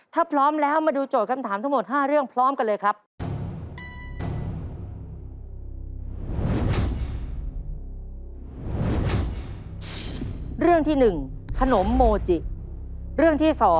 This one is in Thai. ถ้าพร้อมแล้วมาดูโจทย์คำถามทั้งหมด๕เรื่อง